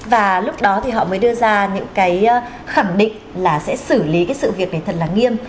và lúc đó thì họ mới đưa ra những cái khẳng định là sẽ xử lý cái sự việc này thật là nghiêm